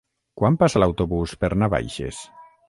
Quan passa l'autobús per Navaixes?